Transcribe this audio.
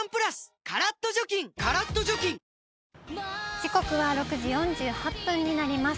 時刻は６時４８分になります。